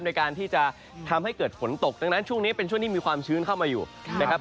ในการที่จะทำให้เกิดฝนตกดังนั้นช่วงนี้เป็นช่วงที่มีความชื้นเข้ามาอยู่นะครับ